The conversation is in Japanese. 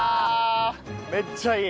めっちゃいい。